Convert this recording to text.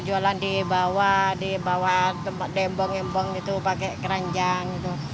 jualan dibawa dibawa tembak dembong embong gitu pakai keranjang gitu